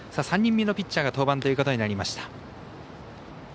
３人目のピッチャーが登板ということになりました。